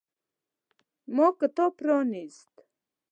ما کتاب پرانیست.